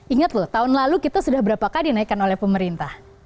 ingat lho tahun lalu kita sudah berapakah dinaikkan oleh pemerintah